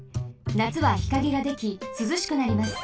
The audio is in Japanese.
なつは日陰ができすずしくなります。